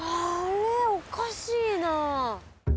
おかしいな。